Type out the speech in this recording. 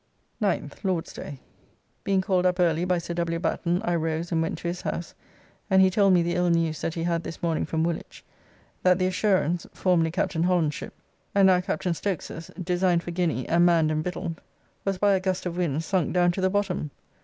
9th (Lord's day). Being called up early by Sir W. Batten I rose and went to his house and he told me the ill news that he had this morning from Woolwich, that the Assurance (formerly Captain Holland's ship, and now Captain Stoakes's, designed for Guiny and manned and victualled), was by a gust of wind sunk down to the bottom.